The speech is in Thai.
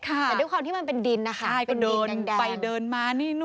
แต่ด้วยความที่มันเป็นดินนะคะใช่ก็เดินไปเดินมานี่นู่น